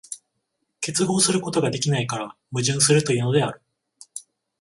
結合することができないから矛盾するというのである。